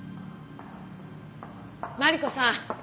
マリコさん。